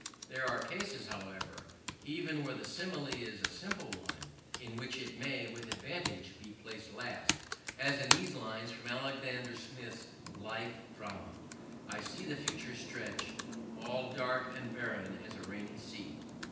There are cases, however, even where the simile is a simple one, in which it may with advantage be placed last, as in these lines from Alexander Smith's 'Life Drama': "I see the future stretch All dark and barren as a rainy sea."